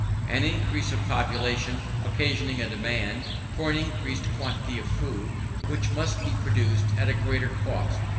An increase of population, occasioning a demand for an increased quantity of food, which must be produced at a greater cost.